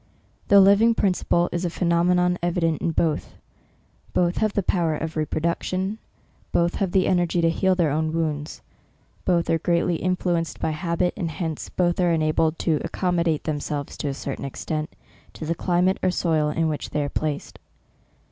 The living principle is a phe nomenon evident in both ; both have the power of re production ; both have the ener gy to heal their own wounds ; both are great ly influenced by habit, and hence both ace enabled to accommodate themselves to a certain extent, to the climate or soil in which they are placed.